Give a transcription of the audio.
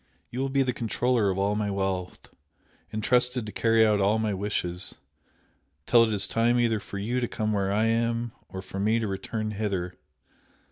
You will be the controller of all my wealth, entrusted to carry out all my wishes, till it is time either for you to come where I am, or for me to return hither.